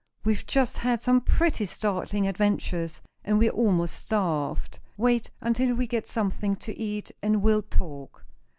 "We've just had some pretty startling adventures, and we're almost starved. Wait until we get something to eat, and we'll talk.